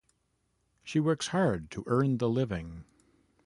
She works hard to earn the living.